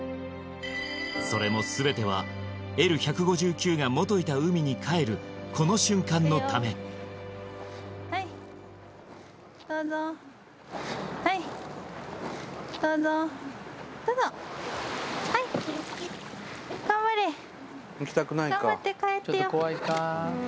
それも全てはＬ−１５９が元いた海に帰るこの瞬間のためはいどうぞはいどうぞどうぞはい頑張れ頑張って帰ってよ